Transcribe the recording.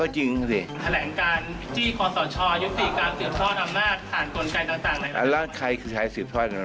จะตั้งดีจริงเหรอสัมพันธ์